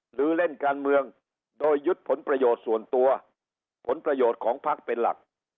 หรือเล่นการเมืองโดยยึดผลประโยชน์ส่วนตัวผลประโยชน์ของพักเป็นหลัก